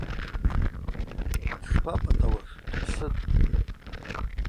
Дшпапӏатӏауаш – дпсытӏ.